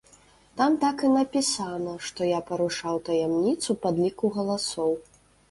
Там так і напісана, што я парушаў таямніцу падліку галасоў.